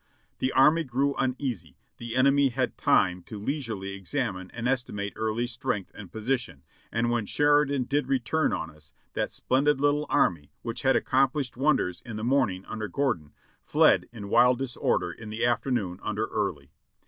The army grew uneasy, the enemy had time to leisurely examine and estimate Early's strength and position, and when Sheridan did return on us. that splendid little army, which had accomplished wonders in the morning under Gordon, fled in wild disorder in the afternoon under Early.